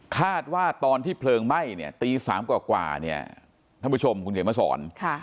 คาดว่าตอนที่เพลิงไหม้เนี่ยตี๓กว่าเนี่ยท่านผู้ชมคุณเขียนมาสอน